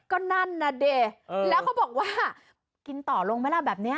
ก็นั่นน่ะดิแล้วเขาบอกว่ากินต่อลงไหมล่ะแบบนี้